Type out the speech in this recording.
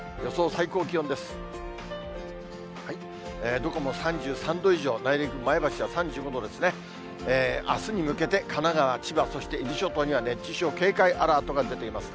どこも３３度以上、内陸部、前橋は３５度ですね、あすに向けて神奈川、千葉、そして、伊豆諸島には熱中症警戒アラートが出ています。